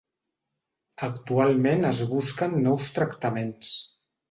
Actualment es busquen nous tractaments.